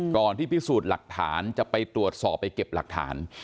ที่พิสูจน์หลักฐานจะไปตรวจสอบไปเก็บหลักฐาน